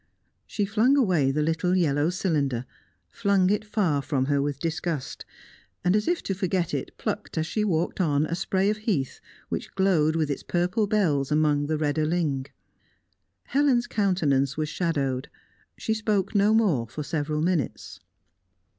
She flung away the little yellow cylinder flung it far from her with disgust, and, as if to forget it, plucked as she walked on a spray of heath, which glowed with its purple bells among the redder ling. Helen's countenance was shadowed. She spoke no more for several minutes.